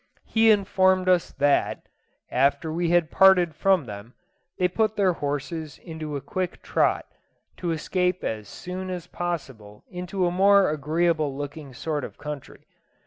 He informed us that, after we had parted from them, they put their horses into a quick trot, to escape as soon as possible into a more agreeable looking sort of country.